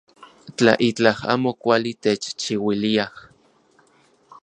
Tla itlaj amo kuali techchiuiliaj.